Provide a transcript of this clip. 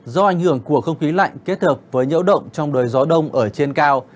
do ảnh hưởng của không khí lạnh kết hợp với nhiễu động trong đời gió đông ở trên cao